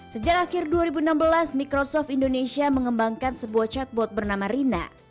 sejak akhir dua ribu enam belas microsoft indonesia mengembangkan sebuah chatbot bernama rina